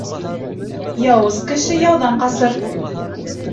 Яуыз кеше яуҙан ҡасыр.